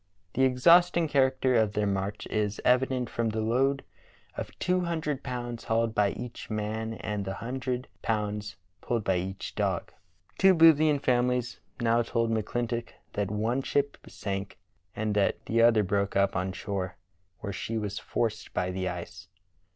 The exhaust ing character of their march is evident from the load of two hundred pounds hauled by each man and the hun dred pounds pulled by each dog. Two Boothian families now told McClintock that one ship sank and that the other broke up on shore where she was forced by the ice.